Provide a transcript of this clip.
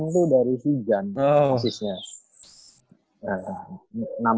enam tuh dari si jan posisinya